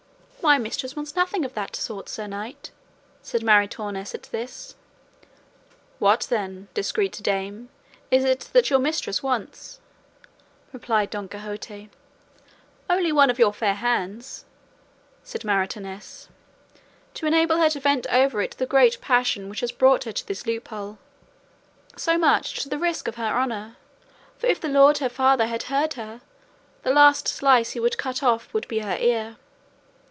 "My mistress wants nothing of that sort, sir knight," said Maritornes at this. "What then, discreet dame, is it that your mistress wants?" replied Don Quixote. "Only one of your fair hands," said Maritornes, "to enable her to vent over it the great passion passion which has brought her to this loophole, so much to the risk of her honour; for if the lord her father had heard her, the least slice he would cut off her would be her ear."